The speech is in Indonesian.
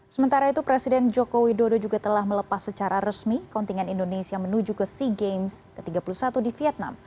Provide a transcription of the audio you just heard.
sementara itu presiden joko widodo juga telah melepas secara resmi kontingen indonesia menuju ke sea games ke tiga puluh satu di vietnam